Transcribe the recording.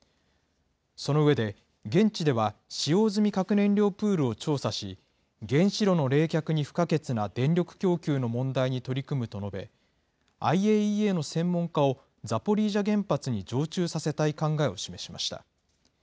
その上で、現地では使用済み核燃料プールを調査し、原子炉の冷却に不可欠な電力供給の問題に取り組むと述べ、ＩＡＥＡの専門家をザポリージャ原発に常駐させたい考えを示しました。